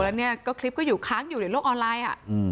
แล้วเนี่ยก็คลิปก็อยู่ค้างอยู่ในโลกออนไลน์